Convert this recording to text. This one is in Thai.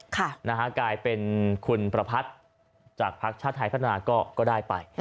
กลายเป็นคุณประพัทธ์จากภักดิ์ชาติไทยพัฒนาก็ได้ไป